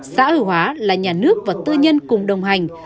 xã hội hóa là nhà nước và tư nhân cùng đồng hành